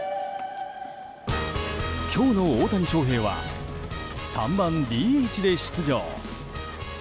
今日の大谷翔平は３番ＤＨで出場。